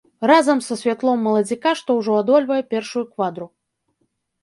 Разам са святлом маладзіка, што ўжо адольвае першую квадру.